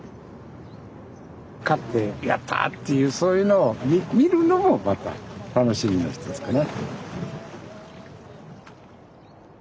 勝って「やった！」っていうそういうのを見るのもまた楽しみの一つかな。